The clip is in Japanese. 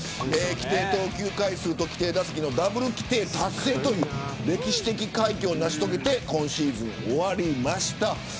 規定投球回数と規定打席のダブル規定達成という歴史的快挙を成し遂げて今シーズンを終えました。